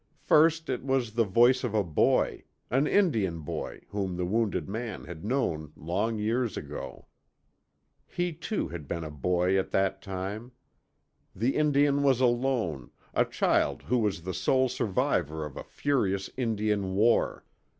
First it was the voice of a boy, an Indian boy whom the wounded man had known long years ago. He too had been a boy at that time. The Indian was alone, a child who was the sole survivor of a furious Indian war.